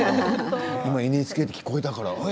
今、ＮＨＫと聞こえたからあれ？